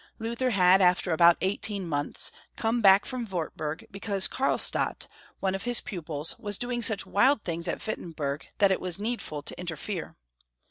Luther had, after about eighteen months, come back from Wartburg, because Carlstadt, one of his pupils, was doing such wild things at Wittenberg, that it was needful to interfere.